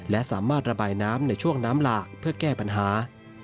และสามารถระบายน้ำในช่วงน้ำหลากเพื่อแก้ปัญหา